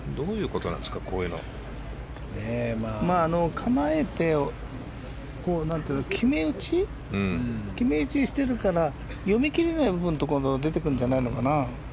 構えて決め打ちしてるから読み切れない部分が出てくるんじゃないのかな。